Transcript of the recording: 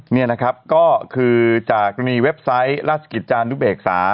นี่นะครับก็คือจากมีเว็บไซต์ราชกิจจานุเบกษา